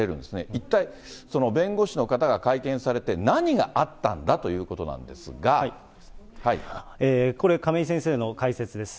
一体、その弁護士の方が会見されて、何があったんだということなこれ、亀井先生の解説です。